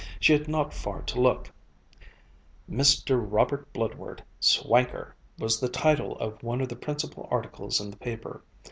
She had not far to look; "Mr. Robert Bludward, Swanker," was the title of one of the principal articles in the paper.